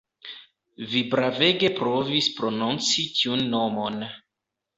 Vi bravege provis prononci tiun nomon